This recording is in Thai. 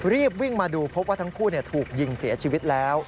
รีบวิ่งมาดูพบว่าทั้งคู่ถูกยิงเสียชีวิตแล้ว